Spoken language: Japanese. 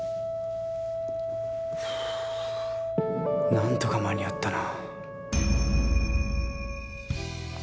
何とか間に合ったな。